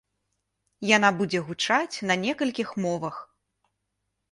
Яна будзе гучаць на некалькіх мовах.